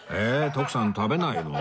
徳さん食べないの？